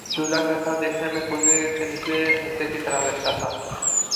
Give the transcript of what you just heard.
چولہا کیا تھا دیکھنے میں کوزے کے نچلے حصے کی طرح لگتا تھا